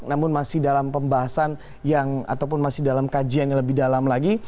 namun masih dalam pembahasan yang ataupun masih dalam kajian yang lebih dalam lagi